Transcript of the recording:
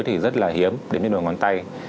thì rất là hiếm đến đến đôi ngón tay